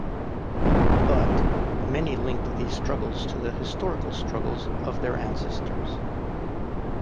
But, many linked these struggles to the historical struggles of their ancestors.